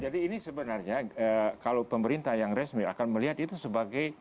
jadi ini sebenarnya kalau pemerintah yang resmi akan melihat itu sebagai